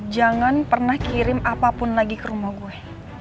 jangan pernah kirim apapun lagi ke rumah gue